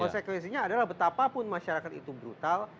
konsekuensinya adalah betapapun masyarakat itu brutal